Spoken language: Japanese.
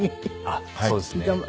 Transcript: あっそうですね。